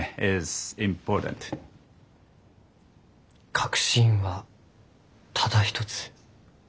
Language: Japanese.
「核心はただ一つ」。